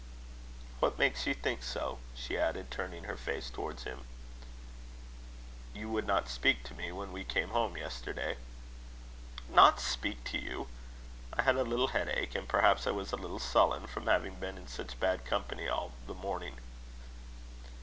"What makes you think so?" she added, turning her face towards him. "You would not speak to me when we came home yesterday." "Not speak to you? I had a little headache and perhaps I was a little sullen, from having been in such bad company all the morning."